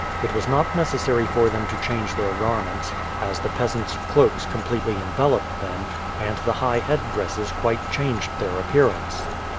It was not necessary for them to change their garments, as the peasant's cloaks completely enveloped them, and the high headdresses quite changed their appearance.